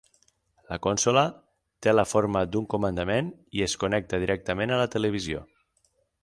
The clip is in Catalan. La consola té la forma d'un comandament i es connecta directament a la televisió.